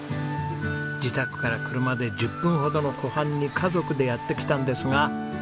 自宅から車で１０分ほどの湖畔に家族でやって来たんですが。